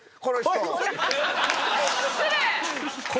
失礼！